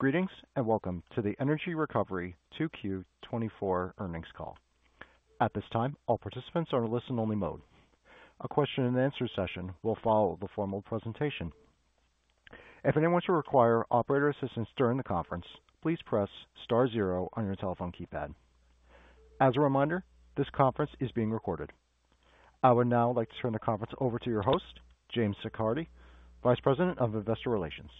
Greetings, and welcome to the Energy Recovery 2Q 2024 earnings call. At this time, all participants are in listen-only mode. A question-and-answer session will follow the formal presentation. If anyone should require operator assistance during the conference, please press star zero on your telephone keypad. As a reminder, this conference is being recorded. I would now like to turn the conference over to your host, James Siccardi, Vice President of Investor Relations.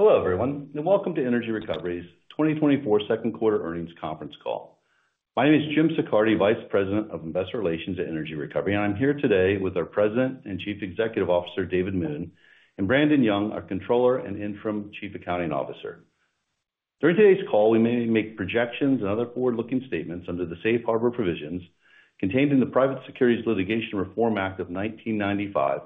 Hello, everyone, and welcome to Energy Recovery's 2024 second quarter earnings conference call. My name is Jim Siccardi, Vice President of Investor Relations at Energy Recovery, and I'm here today with our President and Chief Executive Officer, David Moon, and Brandon Young, our Controller and Interim Chief Accounting Officer. During today's call, we may make projections and other forward-looking statements under the safe harbor provisions contained in the Private Securities Litigation Reform Act of 1995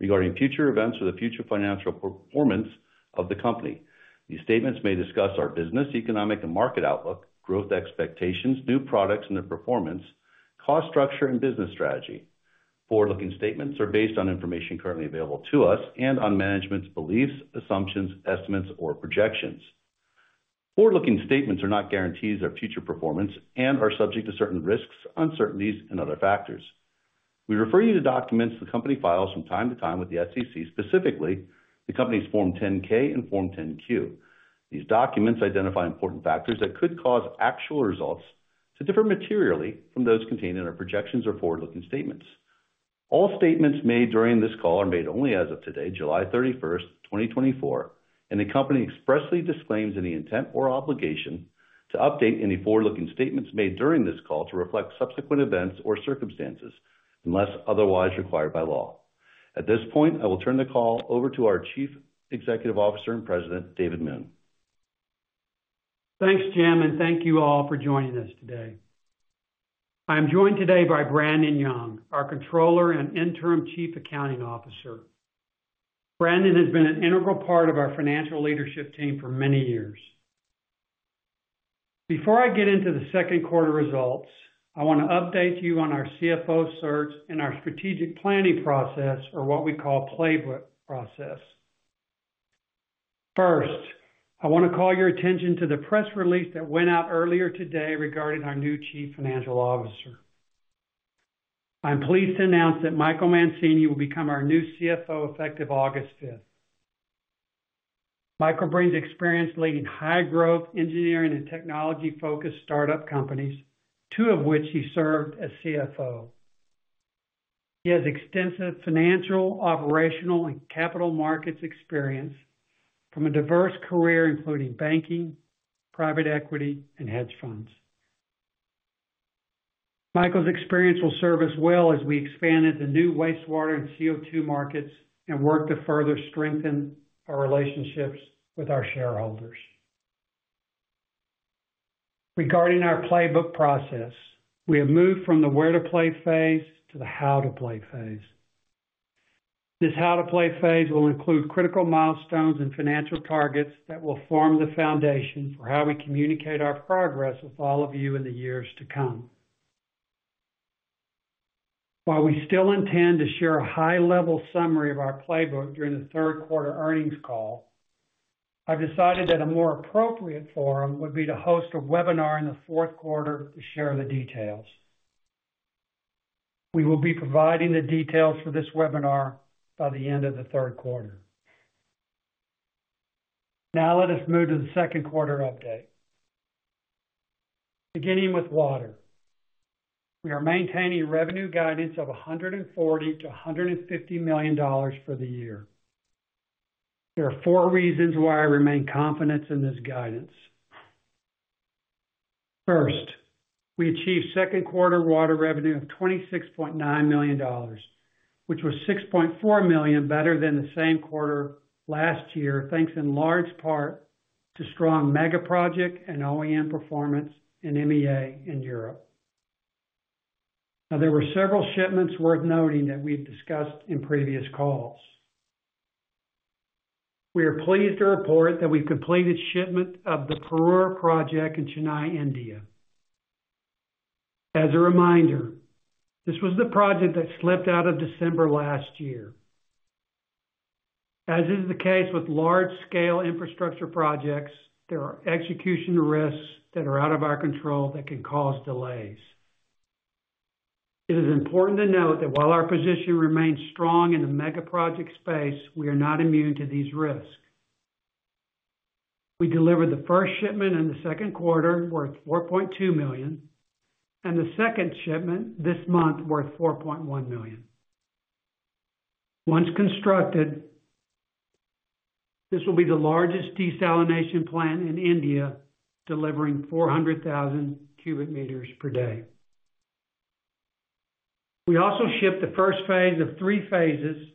regarding future events or the future financial performance of the company. These statements may discuss our business, economic and market outlook, growth expectations, new products and their performance, cost structure, and business strategy. Forward-looking statements are based on information currently available to us and on management's beliefs, assumptions, estimates, or projections. Forward-looking statements are not guarantees of future performance and are subject to certain risks, uncertainties, and other factors. We refer you to documents the company files from time to time with the SEC, specifically the company's Form 10-K and Form 10-Q. These documents identify important factors that could cause actual results to differ materially from those contained in our projections or forward-looking statements. All statements made during this call are made only as of today, July 31, 2024, and the company expressly disclaims any intent or obligation to update any forward-looking statements made during this call to reflect subsequent events or circumstances, unless otherwise required by law. At this point, I will turn the call over to our Chief Executive Officer and President, David Moon. Thanks, Jim, and thank you all for joining us today. I'm joined today by Brandon Young, our Controller and Interim Chief Accounting Officer. Brandon has been an integral part of our financial leadership team for many years. Before I get into the second quarter results, I want to update you on our CFO search and our strategic planning process, or what we call playbook process. First, I want to call your attention to the press release that went out earlier today regarding our new Chief Financial Officer. I'm pleased to announce that Michael Mancini will become our new CFO, effective August 5th. Michael brings experience leading high-growth engineering and technology-focused startup companies, two of which he served as CFO. He has extensive financial, operational, and capital markets experience from a diverse career, including banking, private equity, and hedge funds. Michael's experience will serve us well as we expand into new wastewater and CO2 markets and work to further strengthen our relationships with our shareholders. Regarding our playbook process, we have moved from the where to play phase to the how to play phase. This how to play phase will include critical milestones and financial targets that will form the foundation for how we communicate our progress with all of you in the years to come. While we still intend to share a high-level summary of our playbook during the third quarter earnings call, I've decided that a more appropriate forum would be to host a webinar in the fourth quarter to share the details. We will be providing the details for this webinar by the end of the third quarter. Now let us move to the second quarter update. Beginning with water, we are maintaining revenue guidance of $140 million-$150 million for the year. There are four reasons why I remain confident in this guidance. First, we achieved second quarter water revenue of $26.9 million, which was $6.4 million better than the same quarter last year, thanks in large part to strong mega project and OEM performance in MEA and Europe. Now, there were several shipments worth noting that we've discussed in previous calls. We are pleased to report that we've completed shipment of the Perur project in Chennai, India. As a reminder, this was the project that slipped out of December last year. As is the case with large-scale infrastructure projects, there are execution risks that are out of our control that can cause delays. It is important to note that while our position remains strong in the mega project space, we are not immune to these risks. We delivered the first shipment in the second quarter, worth $4.2 million, and the second shipment this month, worth $4.1 million. Once constructed, this will be the largest desalination plant in India, delivering 400,000 cubic meters per day. We also shipped the first phase of three phases,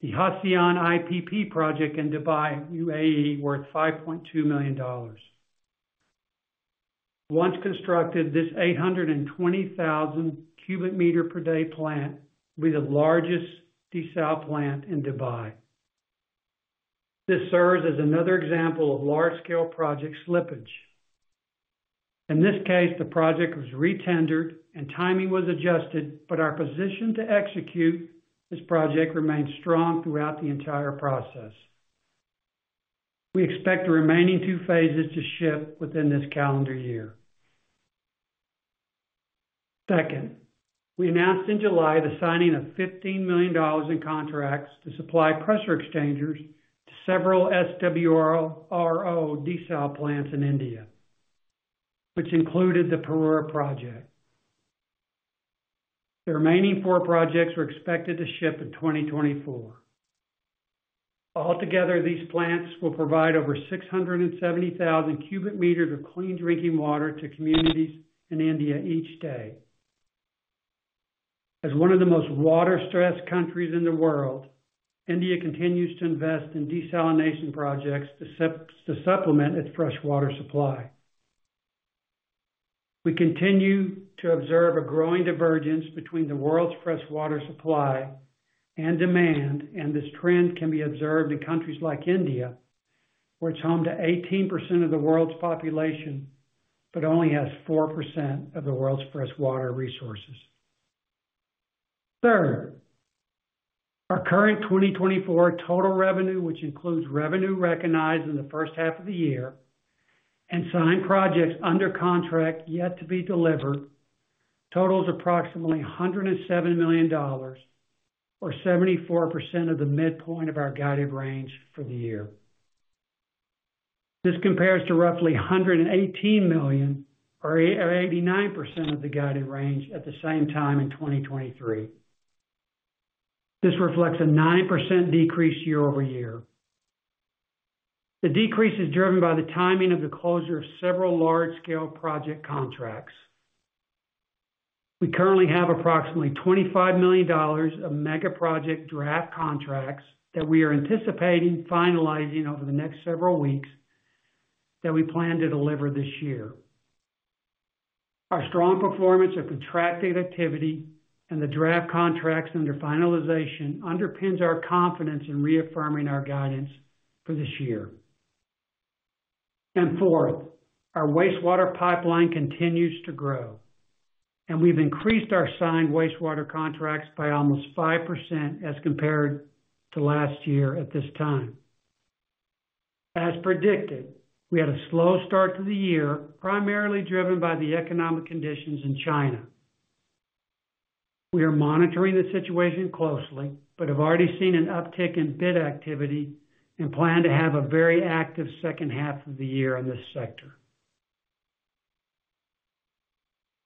the Hassyan IPP project in Dubai, UAE, worth $5.2 million. Once constructed, this 820,000 cubic meter per day plant will be the largest desal plant in Dubai. This serves as another example of large-scale project slippage. In this case, the project was re-tendered and timing was adjusted, but our position to execute this project remained strong throughout the entire process. We expect the remaining two phases to ship within this calendar year. Second, we announced in July the signing of $15 million in contracts to supply pressure exchangers to several SWRO desal plants in India, which included the Perur project. The remaining four projects are expected to ship in 2024. Altogether, these plants will provide over 670,000 cubic meters of clean drinking water to communities in India each day. As one of the most water-stressed countries in the world, India continues to invest in desalination projects to supplement its fresh water supply. We continue to observe a growing divergence between the world's fresh water supply and demand, and this trend can be observed in countries like India, which is home to 18% of the world's population, but only has 4% of the world's fresh water resources. Third, our current 2024 total revenue, which includes revenue recognized in the first half of the year, and signed projects under contract yet to be delivered, totals approximately $107 million or 74% of the midpoint of our guided range for the year. This compares to roughly $118 million or 89% of the guided range at the same time in 2023. This reflects a 9% decrease year-over-year. The decrease is driven by the timing of the closure of several large-scale project contracts. We currently have approximately $25 million of mega project draft contracts that we are anticipating finalizing over the next several weeks that we plan to deliver this year. Our strong performance of contracted activity and the draft contracts under finalization underpins our confidence in reaffirming our guidance for this year. Fourth, our wastewater pipeline continues to grow, and we've increased our signed wastewater contracts by almost 5% as compared to last year at this time. As predicted, we had a slow start to the year, primarily driven by the economic conditions in China. We are monitoring the situation closely, but have already seen an uptick in bid activity and plan to have a very active second half of the year in this sector.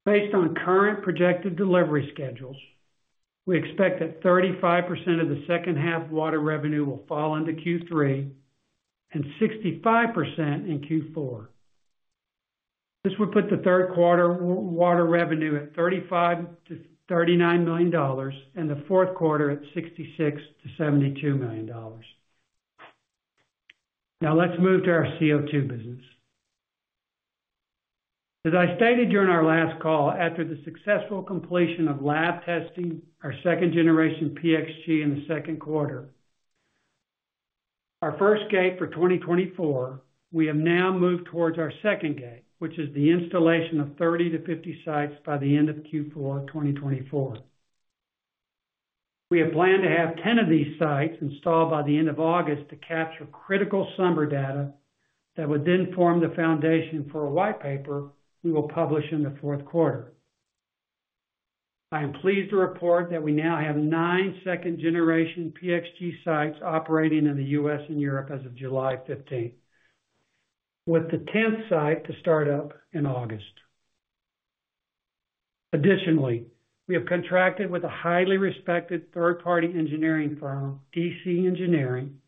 Based on current projected delivery schedules, we expect that 35% of the second half water revenue will fall into Q3 and 65% in Q4. This would put the third quarter water revenue at $35 million-$39 million, and the fourth quarter at $66 million-$72 million. Now, let's move to our CO2 business. As I stated during our last call, after the successful completion of lab testing, our second-generation PXG in the second quarter, our first gate for 2024, we have now moved towards our second gate, which is the installation of 30-50 sites by the end of Q4 2024. We have planned to have 10 of these sites installed by the end of August to capture critical summer data that would then form the foundation for a white paper we will publish in the fourth quarter. I am pleased to report that we now have nine second-generation PXG sites operating in the U.S. and Europe as of July fifteenth, with the 10th site to start up in August. Additionally, we have contracted with a highly respected third-party engineering firm, DC Engineering,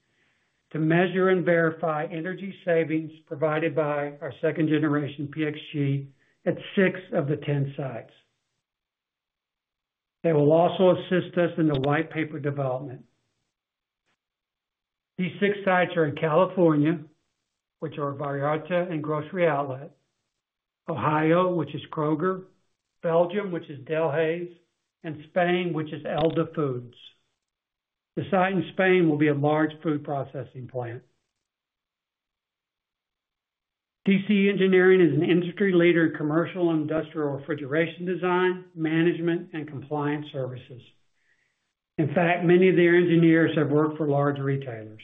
to measure and verify energy savings provided by our second-generation PXG at 6 of the 10 sites. They will also assist us in the white paper development. These six sites are in California, which are Vallarta and Grocery Outlet, Ohio, which is Kroger, Belgium, which is Delhaize, and Spain, which is Elda Foods. The site in Spain will be a large food processing plant. DC Engineering is an industry leader in commercial and industrial refrigeration design, management, and compliance services. In fact, many of their engineers have worked for large retailers.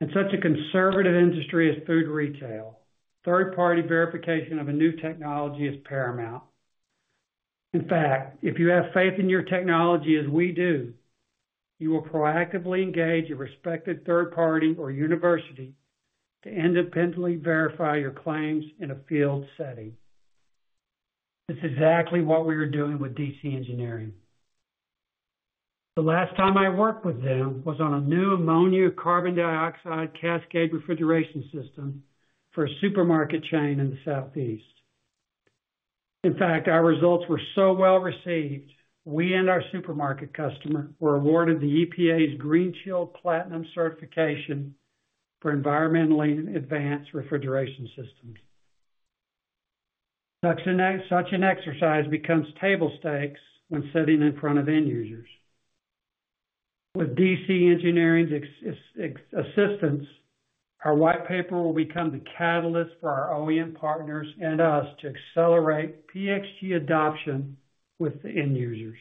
In such a conservative industry as food retail, third-party verification of a new technology is paramount. In fact, if you have faith in your technology as we do, you will proactively engage a respected third party or university to independently verify your claims in a field setting. This is exactly what we are doing with DC Engineering. The last time I worked with them was on a new ammonia carbon dioxide cascade refrigeration system for a supermarket chain in the southeast. In fact, our results were so well-received, we and our supermarket customer were awarded the EPA's GreenChill Platinum Certification for environmentally advanced refrigeration systems. Such an exercise becomes table stakes when sitting in front of end users. With DC Engineering's assistance, our white paper will become the catalyst for our OEM partners and us to accelerate PXG adoption with the end users.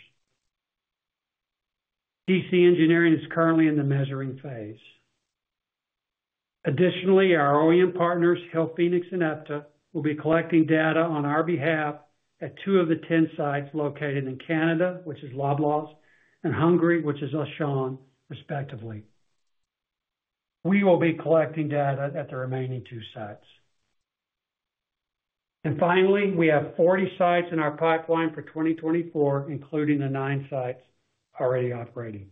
DC Engineering is currently in the measuring phase. Additionally, our OEM partners, Hillphoenix and Epta, will be collecting data on our behalf at two of the 10 sites located in Canada, which is Loblaws, and Hungary, which is Auchan, respectively. We will be collecting data at the remaining two sites. And finally, we have 40 sites in our pipeline for 2024, including the nine sites already operating.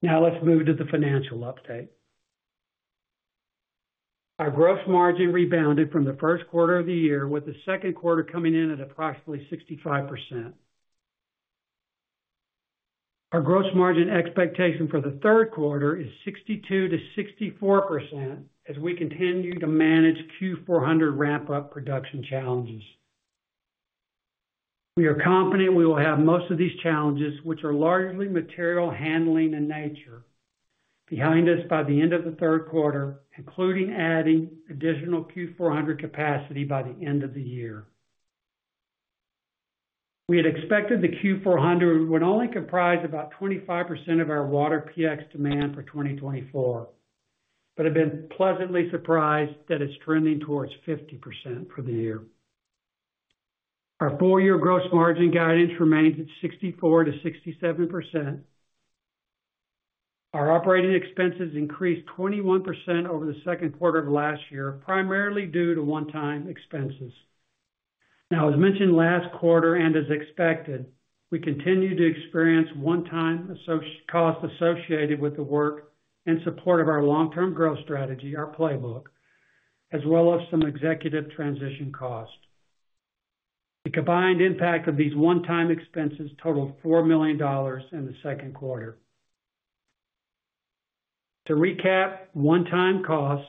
Now, let's move to the financial update. Our gross margin rebounded from the first quarter of the year, with the second quarter coming in at approximately 65%. Our gross margin expectation for the third quarter is 62%-64% as we continue to manage Q400 ramp up production challenges. We are confident we will have most of these challenges, which are largely material handling in nature, behind us by the end of the third quarter, including adding additional Q400 capacity by the end of the year. We had expected the Q400 would only comprise about 25% of our water PX demand for 2024, but have been pleasantly surprised that it's trending towards 50% for the year. Our full-year gross margin guidance remains at 64%-67%. Our operating expenses increased 21% over the second quarter of last year, primarily due to one-time expenses. Now, as mentioned last quarter, and as expected, we continue to experience one-time associated costs associated with the work in support of our long-term growth strategy, our playbook, as well as some executive transition costs. The combined impact of these one-time expenses totaled $4 million in the second quarter. To recap, one-time costs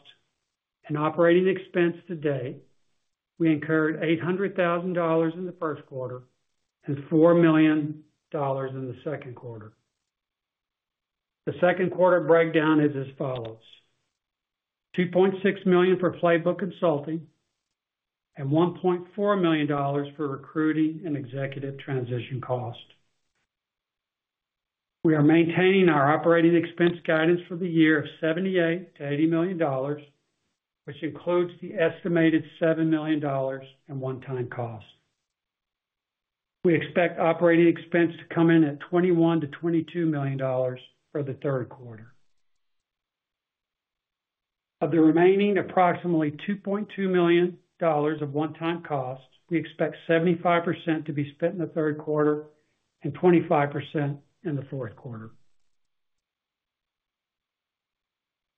and operating expenses to date, we incurred $800,000 in the first quarter and $4 million in the second quarter. The second quarter breakdown is as follows: $2.6 million for playbook consulting and $1.4 million for recruiting and executive transition costs. We are maintaining our operating expense guidance for the year of $78 million-$80 million, which includes the estimated $7 million in one-time costs. We expect operating expense to come in at $21 million-$22 million for the third quarter. Of the remaining approximately $2.2 million of one-time costs, we expect 75% to be spent in the third quarter and 25% in the fourth quarter.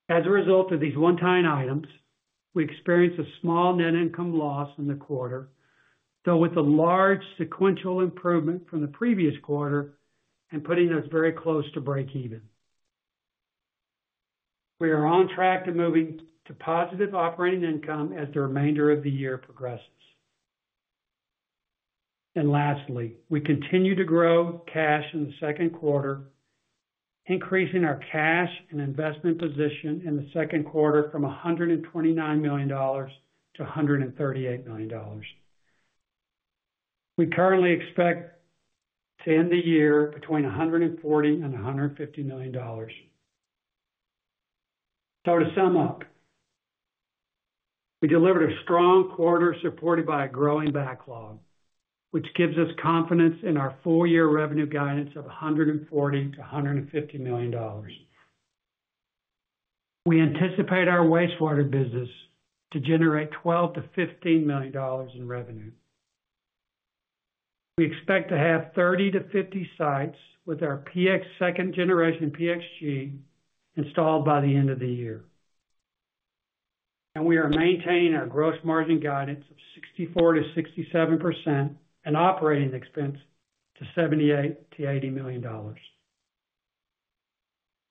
As a result of these one-time items, we experienced a small net income loss in the quarter, though, with a large sequential improvement from the previous quarter and putting us very close to breakeven. We are on track to moving to positive operating income as the remainder of the year progresses. Lastly, we continue to grow cash in the second quarter, increasing our cash and investment position in the second quarter from $129 million-$138 million. We currently expect to end the year between $140 million and $150 million. So to sum up, we delivered a strong quarter supported by a growing backlog, which gives us confidence in our full year revenue guidance of $140-$150 million. We anticipate our wastewater business to generate $12-$15 million in revenue. We expect to have 30-50 sites with our PX, second generation PXG, installed by the end of the year. We are maintaining our gross margin guidance of 64%-67% and operating expense to $78-$80 million.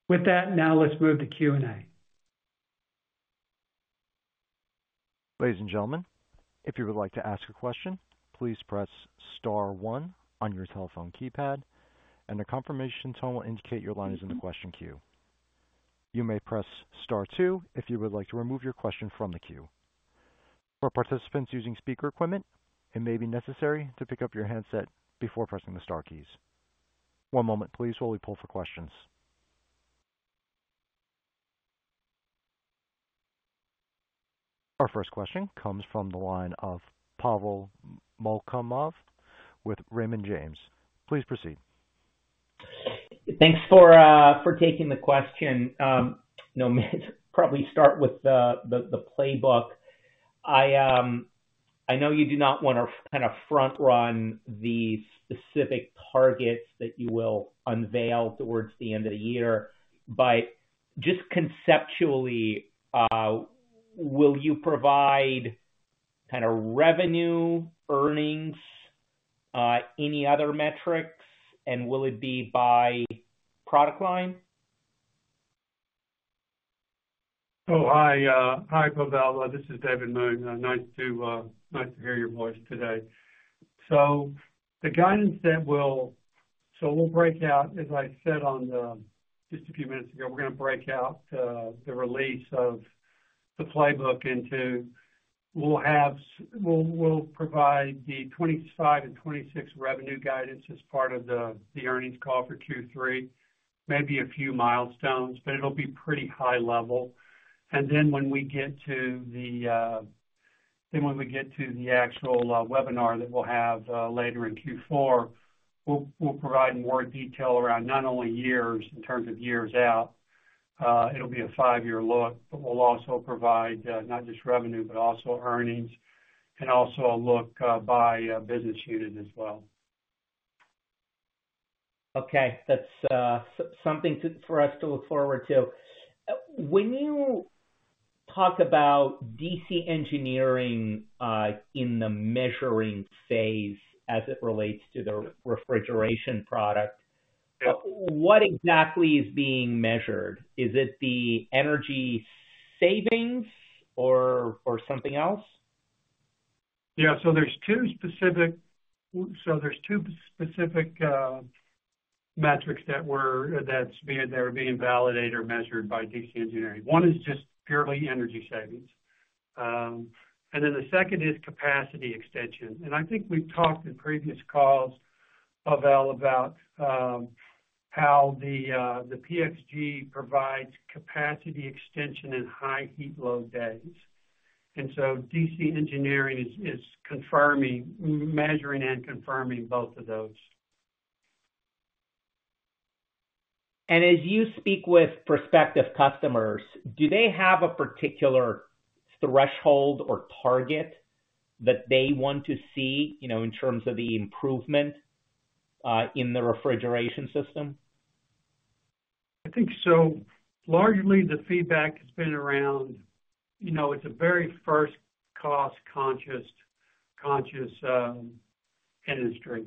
With that, now let's move to Q&A. Ladies and gentlemen, if you would like to ask a question, please press star one on your telephone keypad and a confirmation tone will indicate your line is in the question queue. You may press star two if you would like to remove your question from the queue. For participants using speaker equipment, it may be necessary to pick up your handset before pressing the star keys. One moment please, while we pull for questions. Our first question comes from the line of Pavel Molchanov with Raymond James. Please proceed. Thanks for for taking the question. I'll probably start with the playbook. I, I know you do not want to kind of front-run the specific targets that you will unveil towards the end of the year, but just conceptually, will you provide kind of revenue, earnings, any other metrics, and will it be by product line? Oh, hi, hi, Pavel. This is David Moon. Nice to hear your voice today. So we'll break out, as I said just a few minutes ago, we're gonna break out the release of the Playbook into. We'll provide the 2025 and 2026 revenue guidance as part of the earnings call for Q3, maybe a few milestones, but it'll be pretty high level. And then when we get to the actual webinar that we'll have later in Q4, we'll provide more detail around not only years, in terms of years out, it'll be a five-year look, but we'll also provide not just revenue, but also earnings and also a look by business unit as well. Okay. That's something for us to look forward to. When you talk about DC Engineering in the measuring phase as it relates to the refrigeration product- What exactly is being measured? Is it the energy savings or, or something else? Yeah. So there's two specific metrics that are being validated or measured by DC Engineering. One is just purely energy savings. And then the second is capacity extension. And I think we've talked in previous calls, Pavel, about how the PXG provides capacity extension in high heat load days. And so DC Engineering is confirming, measuring and confirming both of those. As you speak with prospective customers, do they have a particular threshold or target that they want to see, you know, in terms of the improvement in the refrigeration system? I think so. Largely, the feedback has been around, you know, it's a very first cost-conscious, conscious, industry.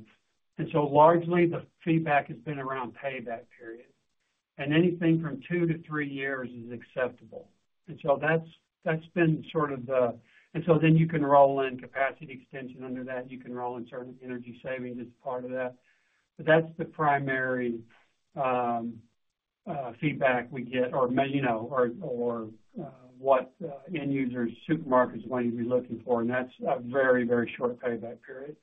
And so largely, the feedback has been around payback period, and anything from 2-3 years is acceptable. And so that's, that's been sort of the... And so then you can roll in capacity extension under that, you can roll in certain energy savings as part of that. But that's the primary feedback we get or you know, or what end users, supermarkets are going to be looking for, and that's a very, very short payback period.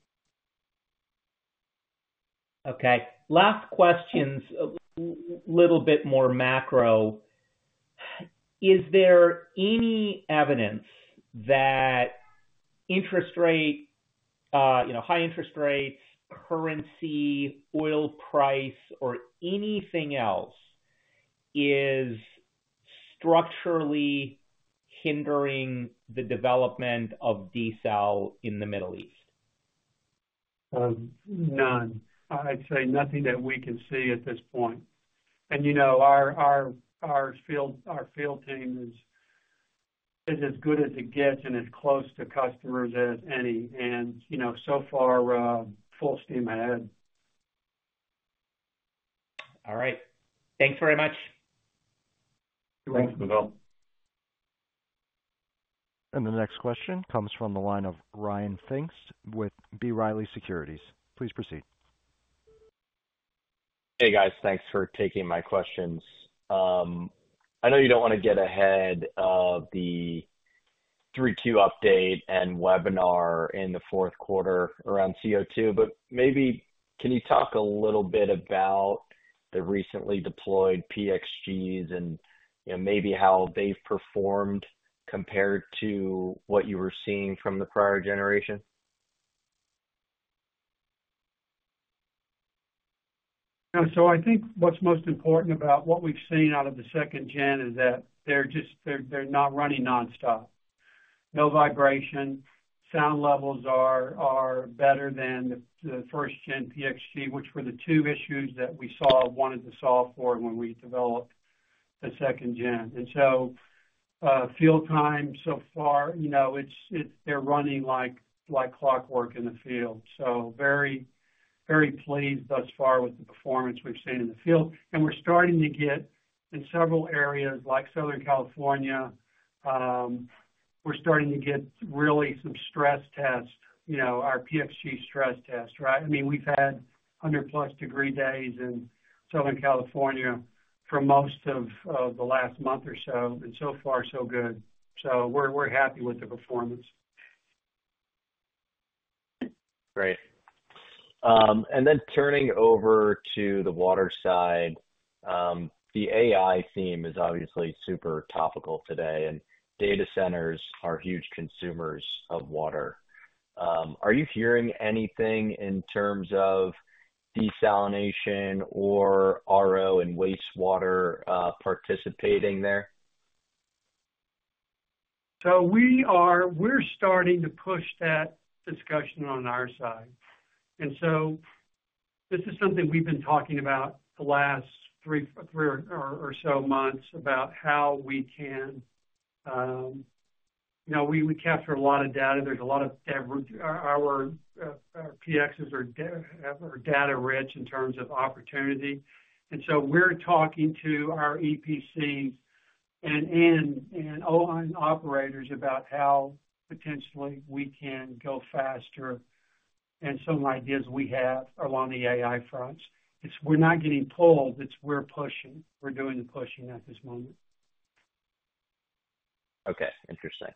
Okay. Last questions, a little bit more macro. Is there any evidence that interest rate, you know, high interest rates, currency, oil price, or anything else is structurally hindering the development of desal in the Middle East? None. I'd say nothing that we can see at this point. And, you know, our field team is as good as it gets and as close to customers as any. And, you know, so far, full steam ahead. All right. Thanks very much. Thanks, Pavel. The next question comes from the line of Ryan Pfingst with B. Riley Securities. Please proceed. Hey, guys. Thanks for taking my questions. I know you don't want to get ahead of the 3Q update and webinar in the fourth quarter around CO2, but maybe can you talk a little bit about the recently deployed PXGs and, you know, maybe how they've performed compared to what you were seeing from the prior generation? Yeah. So I think what's most important about what we've seen out of the second gen is that they're just not running nonstop. No vibration, sound levels are better than the first gen PXG, which were the two issues that we saw, wanted to solve for when we developed the second gen. And so, field time so far, you know, it's -- they're running like clockwork in the field. So very, very pleased thus far with the performance we've seen in the field. And we're starting to get, in several areas like Southern California, we're starting to get really some stress tests, you know, our PXG stress test, right? I mean, we've had 100+ degree days in Southern California for most of the last month or so, and so far, so good. So we're happy with the performance. Great. And then turning over to the water side, the AI theme is obviously super topical today, and data centers are huge consumers of water. Are you hearing anything in terms of desalination or RO and wastewater, participating there? So we're starting to push that discussion on our side. So this is something we've been talking about the last three or so months, about how we can. You know, we capture a lot of data. There's a lot of data. Our PXs are data-rich in terms of opportunity. So we're talking to our EPCs and owners and operators about how potentially we can go faster and some ideas we have along the AI fronts. It's, we're not getting pulled, it's, we're pushing. We're doing the pushing at this moment. Okay, interesting.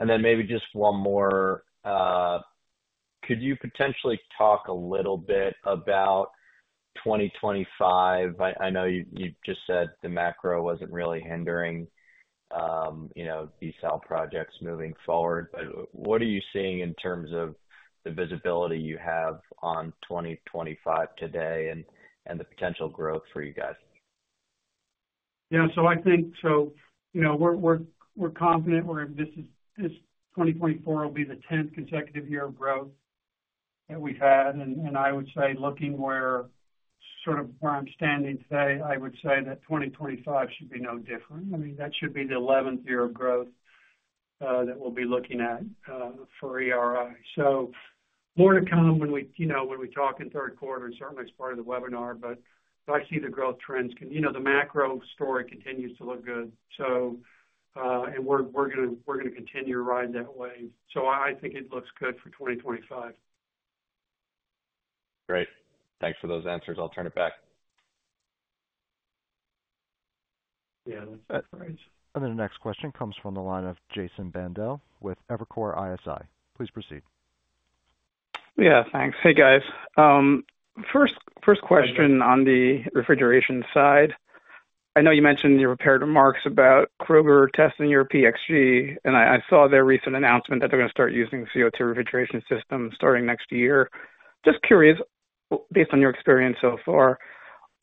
And then maybe just one more. Could you potentially talk a little bit about 2025? I know you just said the macro wasn't really hindering, you know, these cell projects moving forward, but what are you seeing in terms of the visibility you have on 2025 today and the potential growth for you guys? Yeah, so I think so, you know, we're confident we're this is, this 2024 will be the 10th consecutive year of growth that we've had. And I would say looking where, sort of where I'm standing today, I would say that 2025 should be no different. I mean, that should be the 11th year of growth that we'll be looking at for ERI. So more to come when we, you know, when we talk in third quarter, and certainly as part of the webinar, but I see the growth trends. You know, the macro story continues to look good. So, and we're gonna continue to ride that wave. So I think it looks good for 2025. Great. Thanks for those answers. I'll turn it back. Yeah, that's right. And then the next question comes from the line of Jason Bandel with Evercore ISI. Please proceed. Yeah, thanks. Hey, guys. First question on the refrigeration side. I know you mentioned in your prepared remarks about Kroger testing your PXG, and I saw their recent announcement that they're gonna start using CO2 refrigeration system starting next year. Just curious, based on your experience so far,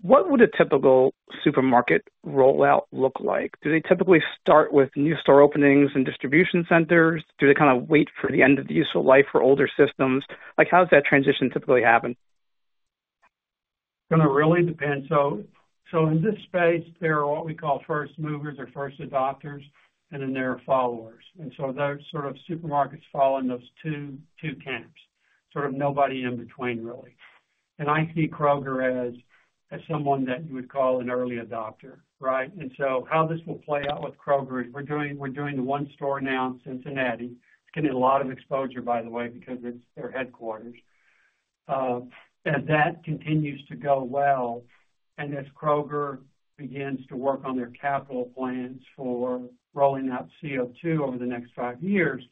what would a typical supermarket rollout look like? Do they typically start with new store openings and distribution centers? Do they kinda wait for the end of the useful life for older systems? Like, how does that transition typically happen? It really depends. So in this space, there are what we call first movers or first adopters, and then there are followers. And so those sort of supermarkets fall in those two camps, sort of nobody in between, really. And I see Kroger as someone that you would call an early adopter, right? And so how this will play out with Kroger is we're doing the one store now in Cincinnati. It's getting a lot of exposure, by the way, because it's their headquarters. As that continues to go well, and as Kroger begins to work on their capital plans for rolling out CO2 over the next five years,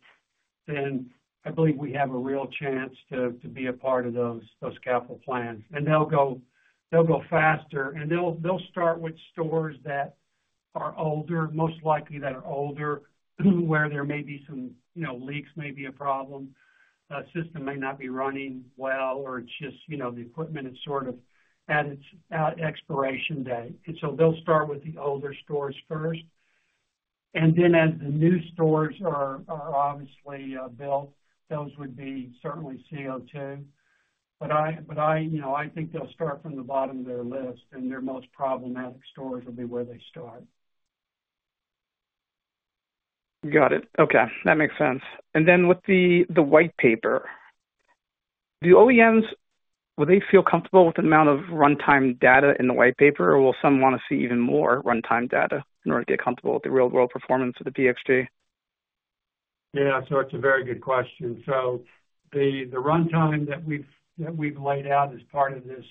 then I believe we have a real chance to be a part of those capital plans. And they'll go, they'll go faster, and they'll, they'll start with stores that are older, most likely that are older, where there may be some, you know, leaks may be a problem, system may not be running well, or it's just, you know, the equipment is sort of at its, expiration day. And so they'll start with the older stores first, and then as the new stores are, are obviously, built, those would be certainly CO2. But I, but I, you know, I think they'll start from the bottom of their list, and their most problematic stores will be where they start. Got it. Okay, that makes sense. And then with the white paper, do OEMs, will they feel comfortable with the amount of runtime data in the white paper, or will some wanna see even more runtime data in order to get comfortable with the real-world performance of the PXG? Yeah, so it's a very good question. So the runtime that we've laid out as part of this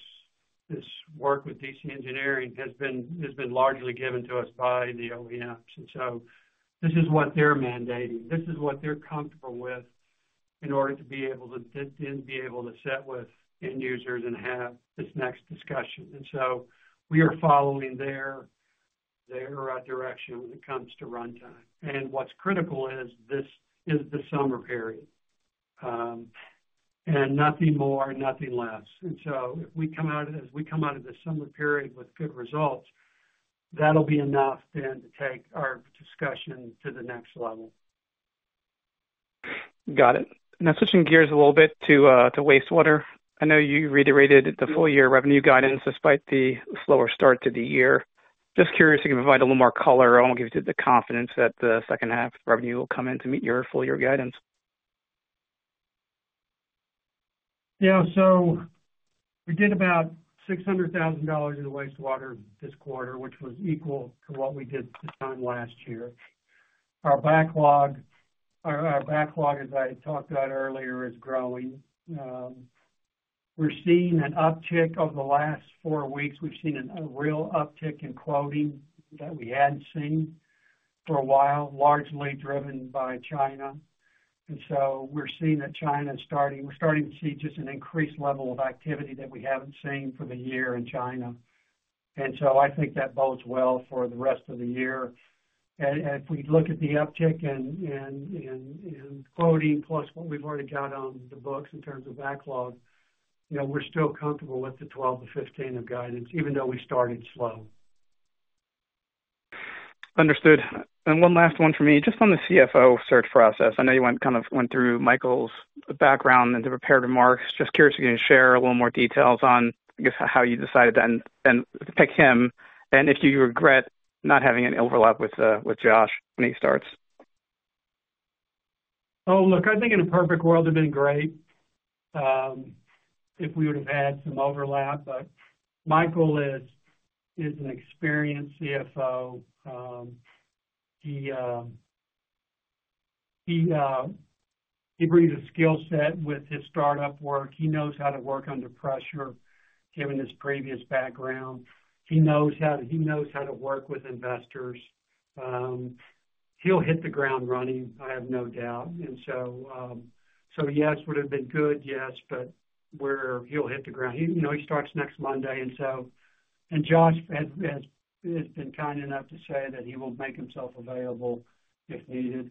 work with DC Engineering has been largely given to us by the OEMs, and so this is what they're mandating. This is what they're comfortable with in order to be able to then be able to sit with end users and have this next discussion. And so we are following their direction when it comes to runtime. And what's critical is this is the summer period, and nothing more, nothing less. And so if we come out of, as we come out of the summer period with good results, that'll be enough then to take our discussion to the next level. Got it. Now, switching gears a little bit to wastewater. I know you reiterated the full year revenue guidance despite the slower start to the year. Just curious if you can provide a little more color on what gives you the confidence that the second half revenue will come in to meet your full year guidance? Yeah, so we did about $600,000 in wastewater this quarter, which was equal to what we did this time last year. Our backlog, as I talked about earlier, is growing. We're seeing an uptick over the last 4 weeks. We've seen a real uptick in quoting that we hadn't seen for a while, largely driven by China. And so we're seeing that China is starting, we're starting to see just an increased level of activity that we haven't seen for the year in China. And so I think that bodes well for the rest of the year. And if we look at the uptick in quoting, plus what we've already got on the books in terms of backlog, you know, we're still comfortable with the $12 million-$15 million of guidance, even though we started slow. Understood. One last one for me, just on the CFO search process. I know you kind of went through Michael's background and the prepared remarks. Just curious if you can share a little more details on, I guess, how you decided and pick him, and if you regret not having an overlap with with Josh when he starts. Oh, look, I think in a perfect world, it'd been great if we would have had some overlap, but Michael is an experienced CFO. He brings a skill set with his startup work. He knows how to work under pressure, given his previous background. He knows how to work with investors. He'll hit the ground running, I have no doubt. And so, yes, would have been good, yes, but we're. He'll hit the ground. You know, he starts next Monday, and so, and Josh has been kind enough to say that he will make himself available if needed.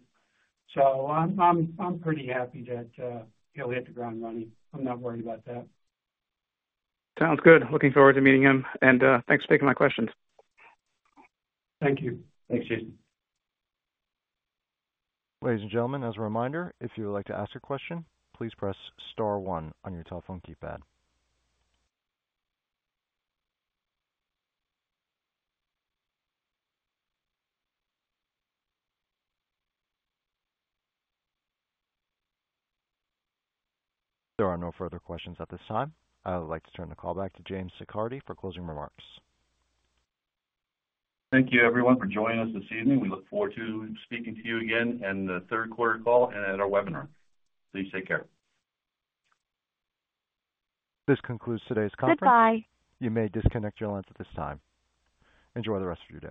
So I'm pretty happy that he'll hit the ground running. I'm not worried about that. Sounds good. Looking forward to meeting him, and, thanks for taking my questions. Thank you. Thanks, Jason. Ladies and gentlemen, as a reminder, if you would like to ask a question, please press star one on your telephone keypad. There are no further questions at this time. I would like to turn the call back to James Siccardi for closing remarks. Thank you, everyone, for joining us this evening. We look forward to speaking to you again in the third quarter call and at our webinar. Please take care. This concludes today's conference. Goodbye. You may disconnect your lines at this time. Enjoy the rest of your day.